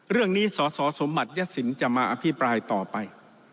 เรื่องนี้สสสมบัติยสินจะมาอภิปรายต่อไป